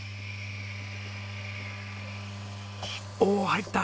おお入った！